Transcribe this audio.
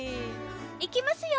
いきますよ。